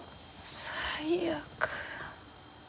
最悪。